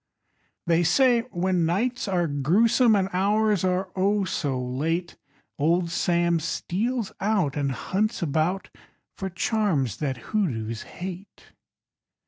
_ They say when nights are grewsome And hours are, oh! so late, Old Sam steals out And hunts about For charms that hoodoos hate!